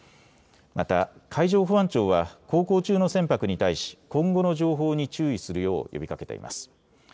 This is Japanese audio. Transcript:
また海上保安庁は航行中の船舶に対し今後の情報に注意するよう呼びかけています。